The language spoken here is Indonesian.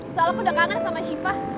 soalnya aku udah kangen sama siva